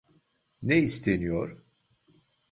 Ne isteniyor?